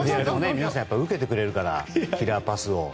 皆さん受けてくれるからキラーパスを。